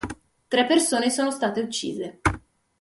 Tre persone sono state uccise.